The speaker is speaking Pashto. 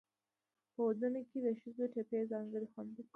په ودونو کې د ښځو ټپې ځانګړی خوند لري.